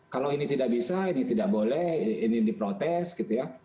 kalau ini tidak bisa ini tidak boleh ini diprotes gitu ya